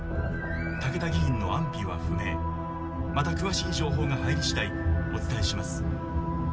「武田議員の安否は不明」「また詳しい情報が入り次第お伝えします」